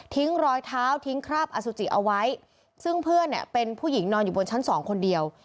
รอยเท้าทิ้งคราบอสุจิเอาไว้ซึ่งเพื่อนเนี่ยเป็นผู้หญิงนอนอยู่บนชั้นสองคนเดียว